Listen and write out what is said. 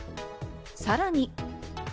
さらに。